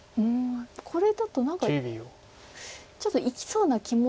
これだと何かちょっと生きそうな気も。